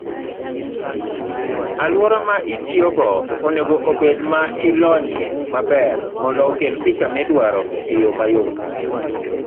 Aluora ma itiyogo onego obed ma ilonyie maber mondo okel picha midwaro eyoo mayot.